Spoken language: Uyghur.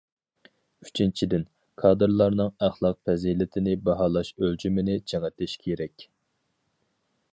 ئۈچىنچىدىن، كادىرلارنىڭ ئەخلاق پەزىلىتىنى باھالاش ئۆلچىمىنى چىڭىتىش كېرەك.